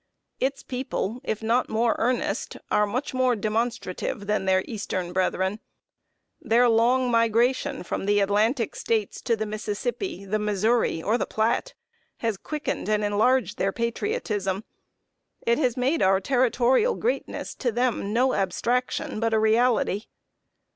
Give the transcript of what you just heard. Its people, if not more earnest, are much more demonstrative than their eastern brethren. Their long migration from the Atlantic States to the Mississippi, the Missouri, or the Platte, has quickened and enlarged their patriotism. It has made our territorial greatness to them no abstraction, but a reality.